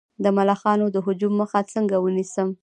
د ملخانو د هجوم مخه څنګه ونیسم؟